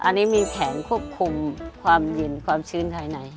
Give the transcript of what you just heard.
อันนี้มีแผนควบคุมความเย็นความชื้นภายใน